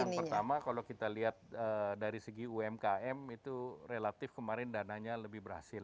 jadi yang pertama kalau kita lihat dari segi umkm itu relatif kemarin dananya lebih berhasil